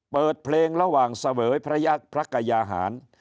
เปิดเพลงระหว่างเสวยพระยักษ์พระกยาหาร